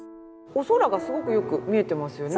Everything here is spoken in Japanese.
お空がすごくよく見えてますよね。